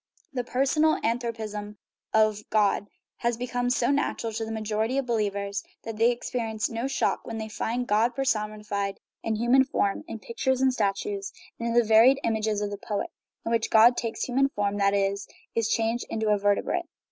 The personal anthropism of God has become so nat ural to the majority of believers that they experience no shock when they find God personified in human 287 THE RIDDLE OF THE UNIVERSE form in pictures and statues, and in the varied images of the poet, in which God takes human form that is, is changed into a vertebrate.